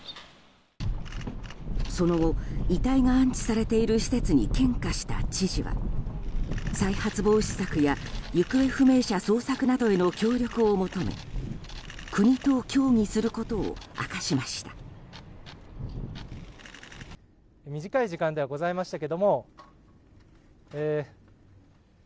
その後、遺体が安置されている施設に献花した知事は再発防止策や行方不明者捜索などへの協力を求め国と協議することを明かしました。